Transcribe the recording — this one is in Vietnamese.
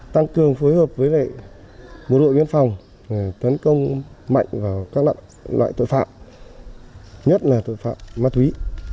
thường phối hợp với đội biên phòng tấn công mạnh vào các loại tội phạm nhất là tội phạm ma túy